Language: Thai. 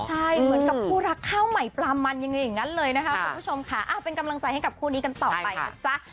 ใช่เหมือนกับคู่รักข้าวใหม่ปลามันยังไงอย่างนั้นเลยนะคะคุณผู้ชมค่ะเป็นกำลังใจให้กับคู่นี้กันต่อไปนะจ๊ะ